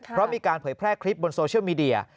เพราะมีการเผยแพร่คลิปบนโซเชียลมีเดีย